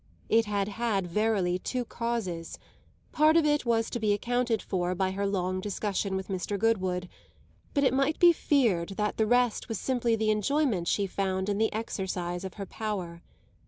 It had had, verily, two causes: part of it was to be accounted for by her long discussion with Mr. Goodwood, but it might be feared that the rest was simply the enjoyment she found in the exercise of her power.